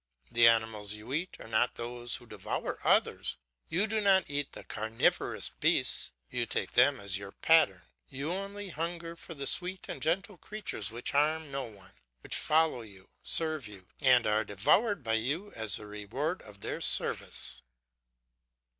The animals you eat are not those who devour others; you do not eat the carnivorous beasts, you take them as your pattern. You only hunger for the sweet and gentle creatures which harm no one, which follow you, serve you, and are devoured by you as the reward of their service.